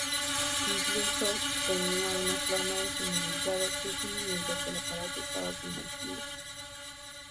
Incluso tenía una forma de suministrar oxígeno mientras el aparato estaba sumergido.